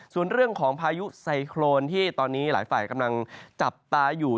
ส่วนเรื่องของพายุไซโครนที่ตอนนี้หลายฝ่ายกำลังจับตาอยู่